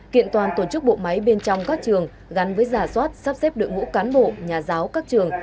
kiện toàn tổ chức bộ máy bên trong các trường gắn với giả soát sắp xếp đội ngũ cán bộ nhà giáo các trường